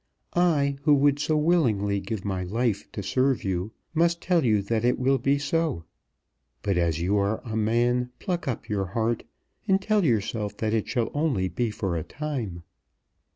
I, who would so willingly give my life to serve you, must tell you that it will be so. But as you are a man, pluck up your heart, and tell yourself that it shall only be for a time.